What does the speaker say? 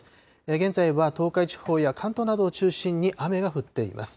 現在は東海地方や関東などを中心に雨が降っています。